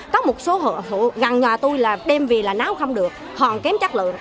có một số hợp thụ gần nhà tôi là đem vì là náo không được hòn kém chất lượng